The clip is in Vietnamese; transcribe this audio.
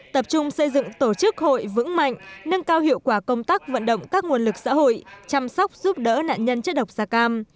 tập trung xây dựng tổ chức hội vững mạnh nâng cao hiệu quả công tác vận động các nguồn lực xã hội chăm sóc giúp đỡ nạn nhân chất độc da cam